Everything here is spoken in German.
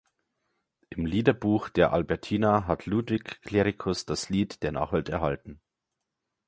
Im Liederbuch der Albertina hat Ludwig Clericus das Lied der Nachwelt erhalten.